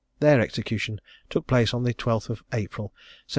Their execution took place on the 12th of April, 1726.